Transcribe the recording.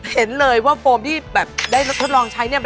เห็นเลยว่าโฟมด์ที่แบบได้ป้องกันลองใช้เนี่ย